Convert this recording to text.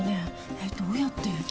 えっどうやって。